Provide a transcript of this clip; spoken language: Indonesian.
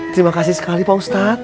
terima kasih sekali pak ustadz